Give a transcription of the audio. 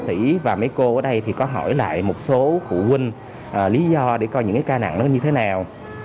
hỷ và mấy cô ở đây thì có hỏi lại một số phụ huynh lý do để coi những cái ca nặng nó như thế nào